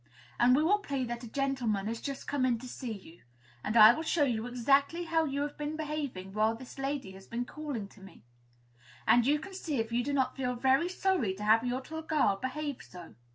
And we will play that a gentleman has just come in to see you, and I will show you exactly how you have been behaving while this lady has been calling to see me. And you can see if you do not feel very sorry to have your little girl behave so."